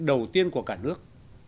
đầu tiên của cả nước